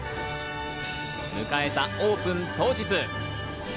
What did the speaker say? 迎えたオープン当日。